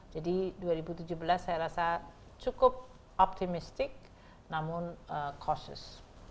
jadi dua ribu tujuh belas saya rasa cukup optimistic namun cautious